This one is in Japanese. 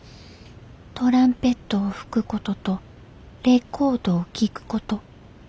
トランペットを吹くこととレコードを聴くこと。